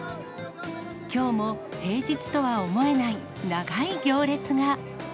きょうも平日とは思えない長い行列が。